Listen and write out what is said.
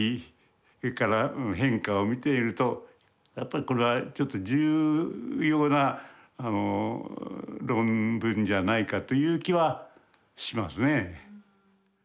それから変化を見ているとやっぱりこれは重要な論文じゃないかという気はしますね。